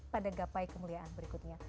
pada gapai kemuliaan berikutnya